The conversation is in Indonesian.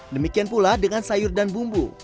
demikian pula dengan sayur dan bumbu